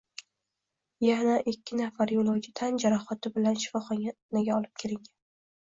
Yanaikkinafar yo‘lovchi tan jarohati bilan shifoxonaga olib ketilgan